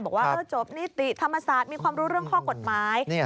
บอกว่าจบนิติธรรมศาสตร์มีความรู้เรื่องข้อกฎหมาย